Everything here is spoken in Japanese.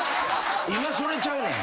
今それちゃうねん。